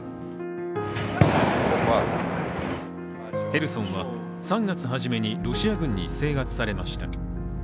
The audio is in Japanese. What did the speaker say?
ヘルソンは３月初めにロシア軍に制圧されました。